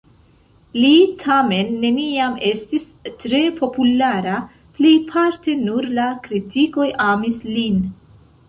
Li tamen neniam estis tre populara, plejparte nur la kritikoj amis lin.